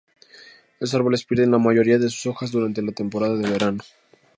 Estos árboles pierden la mayoría de sus hojas durante la temporada de verano.